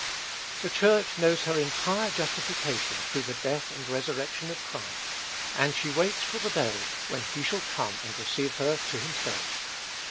The Church knows her entire justification through the death and resurrection of Christ, and she waits for the day when he shall come and receive her to himself.